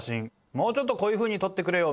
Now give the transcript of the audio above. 「もうちょっとこういうふうに撮ってくれよ！」